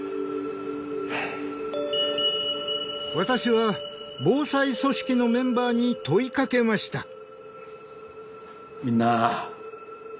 私は防災組織のメンバーに問いかけました。